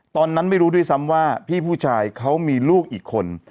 ตอนนั้นไม่รู้ด้วยซ้ำว่าพี่ผู้ชายเขามีลูกอีกคน